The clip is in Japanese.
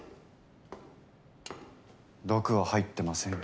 毒は入ってませんよ。